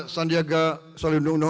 sandiaga salihuddin uno